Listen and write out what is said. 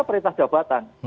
itu perintah jabatan